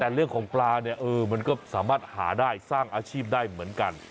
แต่เรื่องของปลาเนี่ยเออมันก็สามารถหาได้สร้างอาชีพได้เหมือนกัน